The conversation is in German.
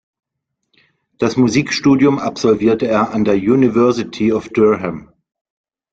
Das Musikstudium absolvierte er an der University of Durham.